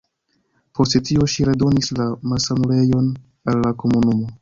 Post tio ŝi redonis la malsanulejon al la komunumo.